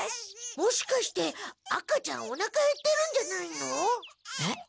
もしかして赤ちゃんおなかへってるんじゃないの？